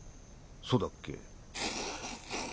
そうだっけ。